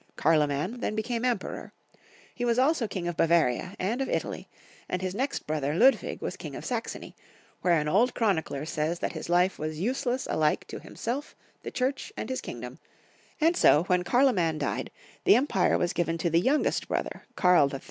Karloman then became Emperor. He was also King of Bavaria and of Italy, and his next brother Karl JZ, the Bald. 79 Ludwig was King of Saxony, where an old chroni cler says that his life was useless alike to himself, the Church, and his kingdom ; and so, when Karl oman died, the empire was given to the youngest brother, Karl III.